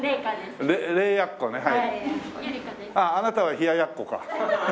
あああなたは冷ややっこか。